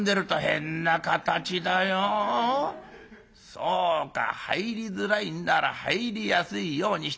そうか入りづらいんなら入りやすいようにしてやろう。